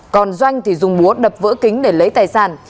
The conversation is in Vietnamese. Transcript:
còn doanh thì dùng búa đập vỡ kính để lấy tài sản